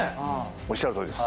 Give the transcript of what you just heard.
おっしゃるとおりです。